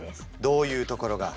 どういうところが？